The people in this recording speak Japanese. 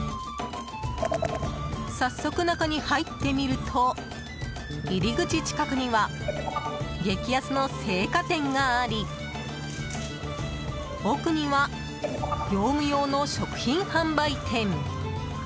早速、中に入ってみると入り口近くには激安の青果店があり奥には業務用の食品販売店。